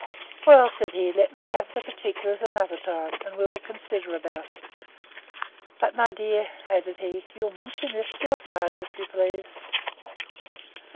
Well, said he, let me have the particulars another time, and we will consider about it. But, my dear, added he, you'll mention this to your father, if you please.